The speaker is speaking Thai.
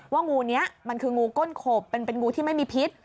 งูนี้มันคืองูก้นขบมันเป็นงูที่ไม่มีพิษ